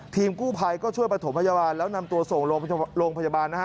ทีมกู้ภัยก็ช่วยประถมพยาบาลแล้วนำตัวส่งโรงพยาบาลนะฮะ